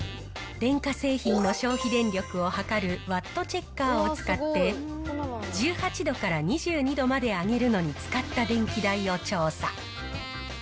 電化製品の消費電力を計るワットチェッカーを使って、１８度から２２度まで上げるのに使った電気代を調査。